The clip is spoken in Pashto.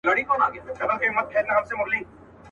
ماشومان يې بلاګاني په خوب ويني.